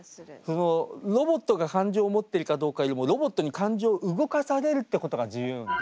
そのロボットが感情を持ってるかどうかよりもロボットに感情を動かされるってことが重要なんだ。